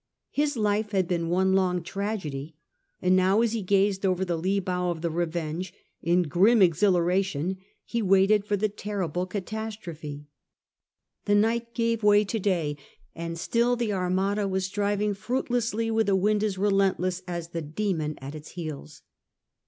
His life had been one long tragedy, and now, as he gazed over the lee bow of the Bevenge, in grim exhilaration he waited for the terrible catastrophe. The night gave way to day. I70 SIJ^ FRANCIS DRAKE chap. and still the Armada was striving fruitlessly with a wind as relentless as the demon at its heels.